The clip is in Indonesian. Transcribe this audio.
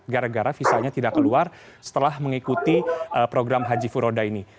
gara gara visanya tidak keluar setelah mengikuti program haji furoda ini